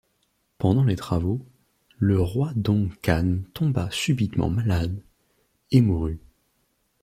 Pendant les travaux, le roi Đồng Khánh tomba subitement malade et mourut.